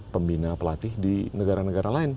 pembina pelatih di negara negara lain